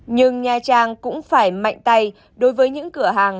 nhưng nha trang cũng phải mạnh tay đối với những cửa hàng